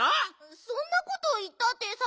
そんなこといったってさ。